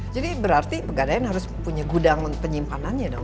jadi berarti pegadaian harus punya gudang penyimpanannya dong